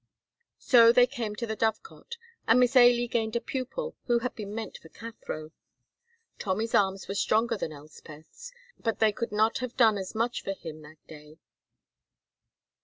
So they came to the Dovecot, and Miss Ailie gained a pupil who had been meant for Cathro. Tommy's arms were stronger than Elspeth's, but they could not hare done as much for him that day.